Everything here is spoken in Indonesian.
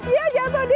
ya jatuh dia